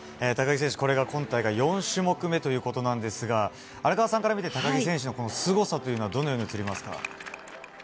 高木選手、今大会が４種目めということですが荒川さんから見て高木選手のすごさというのはどのように映りますか。